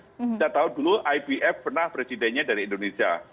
kita tahu dulu ibf pernah presidennya dari indonesia